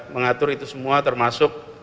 mengatur itu semua termasuk